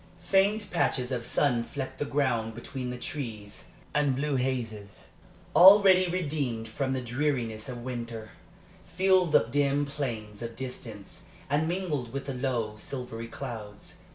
Faint patches of sun flecked the ground between the trees, and blue hazes, already redeemed from the dreariness of winter, filled the dim planes of distance and mingled with the low, silvery clouds.